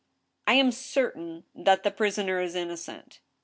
I am certain that the prisoner is innocent."